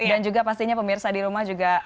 dan juga pastinya pemirsa di rumah juga